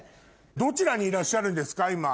どちらにいらっしゃるんですか？